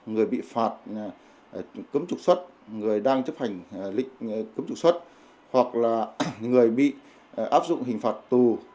người bị phạt cấm trục xuất người đang chấp hành lệnh cấm trục xuất hoặc là người bị áp dụng hình phạt tù